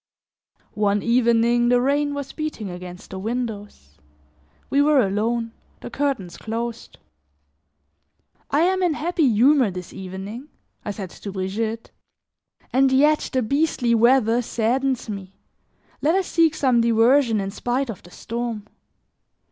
One evening the rain was beating against the windows; we were alone, the curtains closed. "I am in happy humor this evening," I said to Brigitte, "and yet the beastly weather saddens me. Let us seek some diversion in spite of the storm."